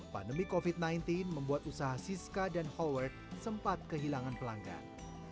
pandemi covid sembilan belas membuat usaha siska dan howard sempat kehilangan pelanggan